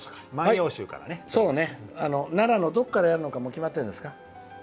奈良のどこからやるのかも決まってるんですか？